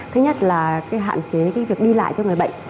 thứ nhất là hạn chế cái việc đi lại cho người bệnh